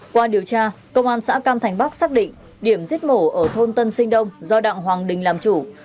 qua điều tra công an xã cam thành bắc xác định điểm giết mổ ở thôn tân sinh đông do đặng hoàng đình làm chủ